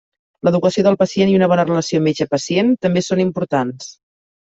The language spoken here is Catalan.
L'educació del pacient i una bona relació metge-pacient també són importants.